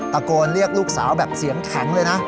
ตะโกนเรียกลูกสาวแบบเสียงแข็งเลยนะ